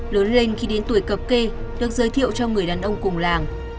lớn lên khi đến tuổi cập kê được giới thiệu cho người đàn ông cùng làng